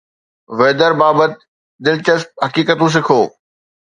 Vader بابت دلچسپ حقيقتون سکو